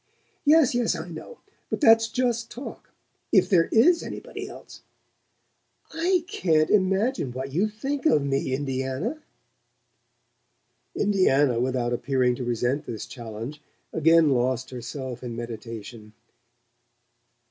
"Yes, yes: I know. But that's just talk. If there IS anybody else " "I can't imagine what you think of me, Indiana!" Indiana, without appearing to resent this challenge, again lost herself in meditation.